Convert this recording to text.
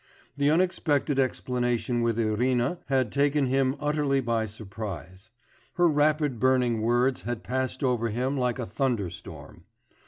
The unexpected explanation with Irina had taken him utterly by surprise; her rapid burning words had passed over him like a thunder storm.